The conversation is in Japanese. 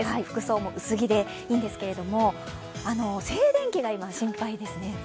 服装も薄着でいいんですけれども、静電気が今、心配ですね。